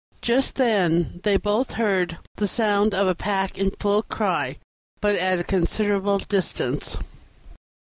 Just then they both heard the sound of a pack in full cry, but at a considerable distance.